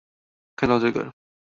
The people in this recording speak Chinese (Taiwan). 看到這個